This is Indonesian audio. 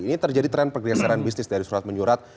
ini terjadi tren pergeseran bisnis dari surat menyurat